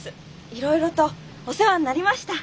いろいろとお世話になりました。